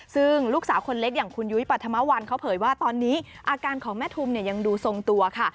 ซึ่งลูกสาวคนเล็กอย่างคุณยุ้ยปรัฐมวัลเขาเผยว่าตอนนี้อาการของแม่ทุมเนี่ยยังดูทรงตัวค่ะ